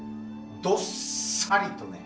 どっさりとね。